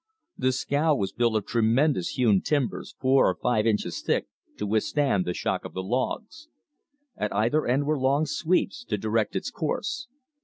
The scow was built of tremendous hewn timbers, four or five inches thick, to withstand the shock of the logs. At either end were long sweeps to direct its course.